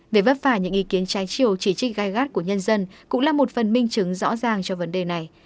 về vất vả những ý kiến trái chiều chỉ trích gai gắt của nhân dân cũng là một phần minh chứng rõ ràng cho vấn đề này